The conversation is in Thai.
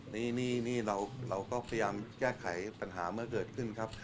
นี่เราก็พยายามแก้ไขปัญหาเมื่อเกิดขึ้นครับ